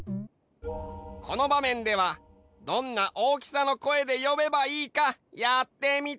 このばめんではどんな大きさの声でよべばいいかやってみて。